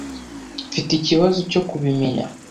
Mfite ikibazo cyo kubimenya.